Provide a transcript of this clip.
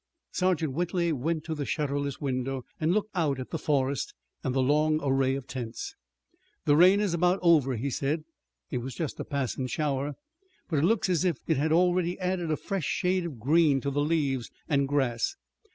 Sergeant Whitley went to the shutterless window, and looked out at the forest and the long array of tents. "The rain is about over," he said. "It was just a passin' shower. But it looks as if it had already added a fresh shade of green to the leaves and grass.